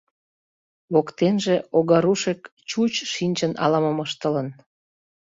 Воктенже Огарушек чӱч шинчын ала-мом ыштылын.